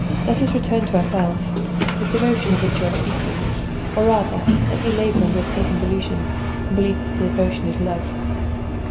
But let us return to ourselves, to that devotion of which you were speaking, or rather let me labor under a pleasing delusion, and believe this devotion is love."